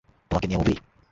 তোমাকে নিয়ে মুভি?